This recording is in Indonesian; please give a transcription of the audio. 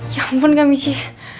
ya ampun kak michi